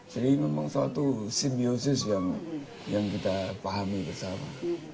jadi memang suatu simbiosis yang kita pahami bersama